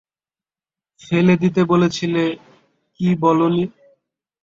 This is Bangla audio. ফেলে দিতে বলেছিলে কি বল নি?